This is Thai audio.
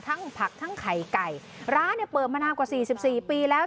ทั้งผักทั้งไข่ไก่ร้านเปิดมานานกว่า๔๔ปีแล้ว